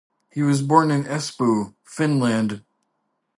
He was born in Espoo, Finland.